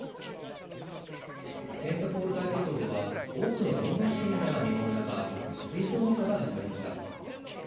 セント・ポール大聖堂では多くのロンドン市民らが見守る中、追悼ミサが始まりました。